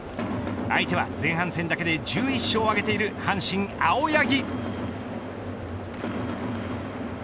相手は、前半戦だけで１１勝を挙げている阪神、青柳。